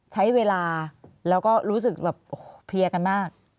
ใช้เวลาแล้วก็รู้สึกแบบเพลียกันมาก